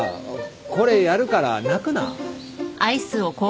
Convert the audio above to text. これやるから泣くな